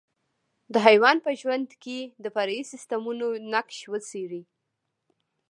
په حیوان په ژوند کې د فرعي سیسټمونو نقش وڅېړئ.